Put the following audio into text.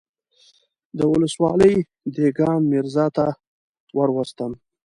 د ولسوالۍ دېګان ميرزا ته وروستم.